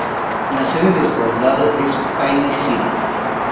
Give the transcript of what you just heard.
La sede del condado es Pine City.